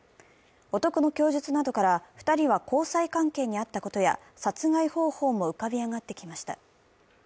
男の供述などから２人は交際関係にあったことや殺害方法も浮かび上がってきました。